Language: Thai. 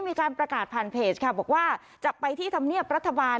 มีการประกาศผ่านเพจค่ะบอกว่าจะไปที่ธรรมเนียบรัฐบาล